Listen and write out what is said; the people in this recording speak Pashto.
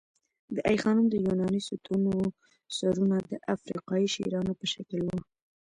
د آی خانم د یوناني ستونو سرونه د افریقايي شیرانو په شکل وو